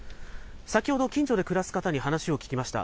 先ほど、近所で暮らす方に話を聞きました。